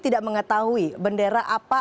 tidak mengetahui bendera apa